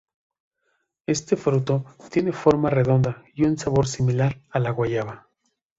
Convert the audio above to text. Este fruto tiene forma redonda y un sabor similar a la guayaba.